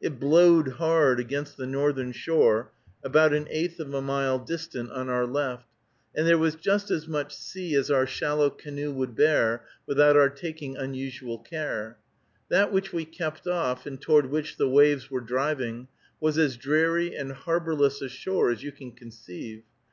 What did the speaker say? It blowed hard against the northern shore about an eighth of a mile distant on our left, and there was just as much sea as our shallow canoe would bear, without our taking unusual care. That which we kept off, and toward which the waves were driving, was as dreary and harborless a shore as you can conceive.